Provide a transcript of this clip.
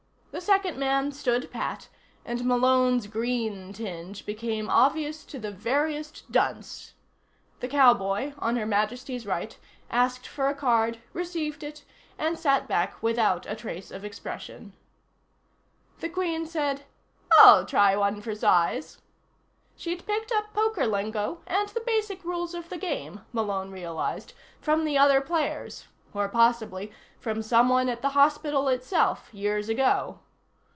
The second man stood pat and Malone's green tinge became obvious to the veriest dunce. The cowboy, on Her Majesty's right, asked for a card, received it and sat back without a trace of expression. The Queen said: "I'll try one for size." She'd picked up poker lingo, and the basic rules of the game, Malone realized, from the other players or possibly from someone at the hospital itself, years ago.